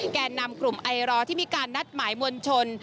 แก่นำกลุ่มไอรอที่มีการนัดหมายมวลชน